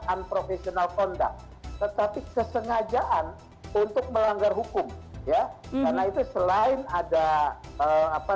and profesional kondak tetapi kesengajaan untuk melanggar hukum ya karena itu selain ada apa